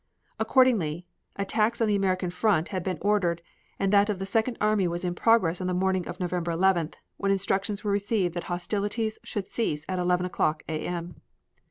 Accordingly, attacks on the American front had been ordered and that of the Second Army was in progress on the morning of November 11th, when instructions were received that hostilities should cease at 11 o'clock A. M.